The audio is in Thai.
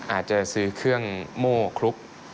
อาจจะซื้อเครื่องโม่คลุก